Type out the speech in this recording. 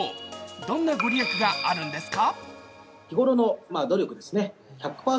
どんなご利益があるんですか。